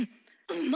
「うま！」。